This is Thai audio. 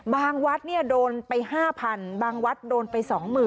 วัดโดนไป๕๐๐๐บางวัดโดนไป๒๐๐๐